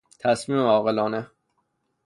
تصمیم عاقلانه